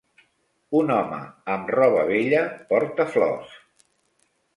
Un home amb roba vella porta flors